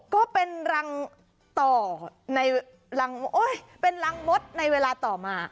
ก็เป็นรังหมดในเวลาต่อมา